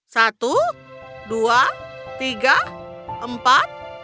satu dua tiga empat